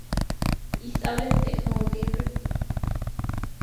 ისწავლეთ ტექნოლოგიები